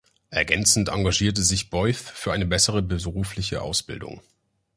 Ergänzend engagierte sich Beuth für eine bessere berufliche Ausbildung.